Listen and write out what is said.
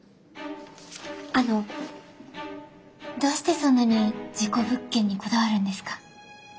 あのどうしてそんなに事故物件にこだわるんですか？